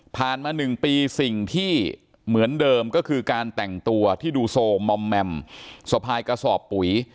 มา๑ปีสิ่งที่เหมือนเดิมก็คือการแต่งตัวที่ดูโซมอมแมมสะพายกระสอบปุ๋ย